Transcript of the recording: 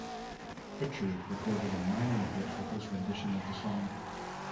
Richard recorded a minor hit with his rendition of the song.